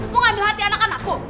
mengambil hati anak anakku